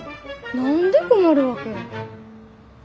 何で困るわけ？